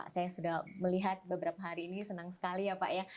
saya sudah melihat beberapa hari ini senang sekali ya pak ya